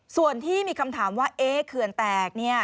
ส่วนที่มีคำถามว่าเอ๊ะเขื่อนแตกเนี่ย